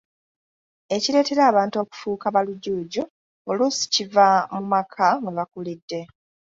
Ekireetera abantu okufuuka ba Lujuuju, oluusi kiva mu maka mwebakulidde.